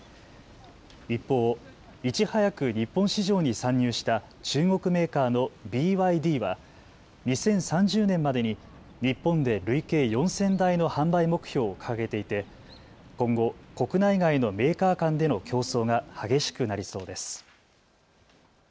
一方、いち早く日本市場に参入した中国メーカーのＢＹＤは２０３０年までに日本で累計４０００台の販売目標を掲げていて今後、国内外のメーカー間での競争が激しくなりそうです。